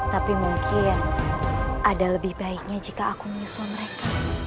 tapi mungkin ada lebih baiknya jika aku menyusun mereka